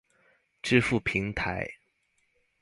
支付平台